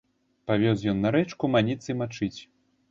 Павёз ён на рэчку маніцы мачыць.